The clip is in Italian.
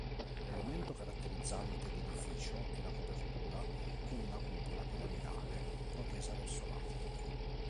L'elemento caratterizzante l'edificio è la copertura con una cupola piramidale protesa verso l'alto.